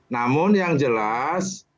namun yang jelas